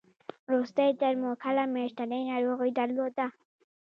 وروستی ځل مو کله میاشتنۍ ناروغي درلوده؟